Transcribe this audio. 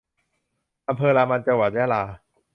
อำเภอรามัน จังหวัดยะลา